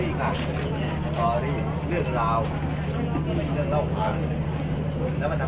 เมืองอัศวินธรรมดาคือสถานที่สุดท้ายของเมืองอัศวินธรรมดา